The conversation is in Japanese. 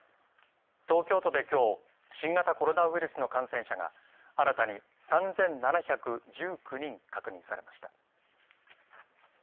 東京都できょう、新型コロナウイルスの感染者が新たに３７１９人確認されました。